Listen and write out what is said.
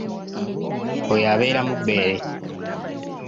Oyo abeera mubbeere.